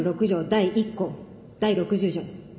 第１項第６０条。